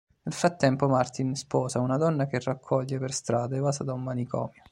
Nel frattempo Martin sposa una donna che raccoglie per strada evasa da un manicomio.